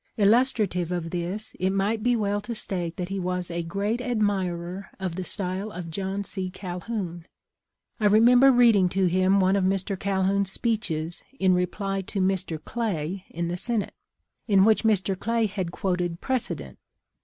Illustrative of this it might be well to state that he was a great admirer of the style of John C. Calhoun. I remember read ing to him one of Mr. Calhoun's speeches in reply to Mr. Clay in the Senate, in which Mr. Clay had quoted precedent.